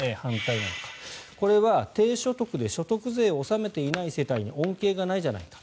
これは低所得で所得税を納めていない世帯に恩恵がないじゃないか。